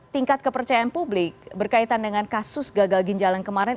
tingkat kepercayaan publik berkaitan dengan kasus gagal ginjal yang kemarin